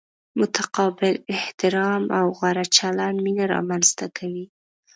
متقابل احترام او غوره چلند مینه را منځ ته کوي.